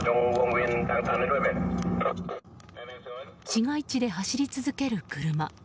市街地で走り続ける車。